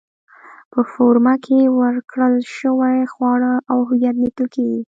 په فورمه کې ورکړل شوي خواړه او هویت لیکل کېږي.